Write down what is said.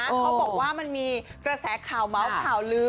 เขาบอกว่ามันมีกระแสข่าวเมาส์ข่าวลือ